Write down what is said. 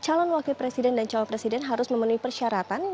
calon wakil presiden dan calon presiden harus memenuhi persyaratan